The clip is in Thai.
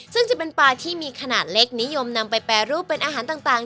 ซึ่งจะเป็นปลาที่มีขนาดเล็กนิยมนำไปแปรรูปเป็นอาหารต่าง